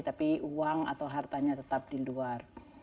tapi uang atau hartanya tetap di luar